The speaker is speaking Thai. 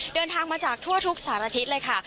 เดินทางมาจากทั่วทุกสารอาทิตย์เลยค่ะ